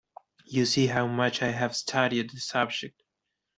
You see how much I have studied the subject.